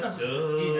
いいね